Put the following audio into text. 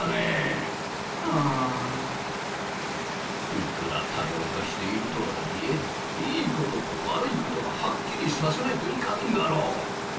いくら多様化しているとはいえいいことと悪いことははっきりさせないといかんだろう！